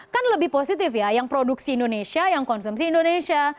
kan lebih positif ya yang produksi indonesia yang konsumsi indonesia